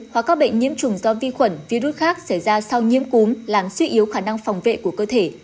hoặc các bệnh nhiễm trùng do vi khuẩn virus khác xảy ra sau nhiễm cúm làm suy yếu khả năng phòng vệ của cơ thể